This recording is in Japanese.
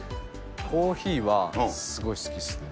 コーヒーはすごい好きっすね。